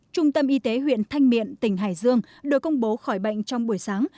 trung tâm y tế huyện thanh miện tỉnh hải dương được công bố khỏi bệnh trong buổi sáng